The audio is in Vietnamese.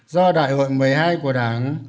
do đại hội một mươi hai của đảng